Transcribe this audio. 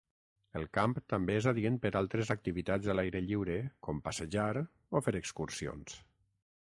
El camp també és adient per altres activitats a l'aire lliure com passejar o fer excursions.